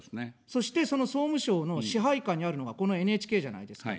そして、その総務省の支配下にあるのが、このＮＨＫじゃないですか。